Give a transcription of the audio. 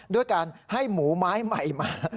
ด้วยการให้หมูไม้ใหม่มา